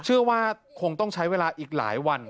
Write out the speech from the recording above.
เชื่อว่าคงต้องใช้เวลาอีกหลายวัน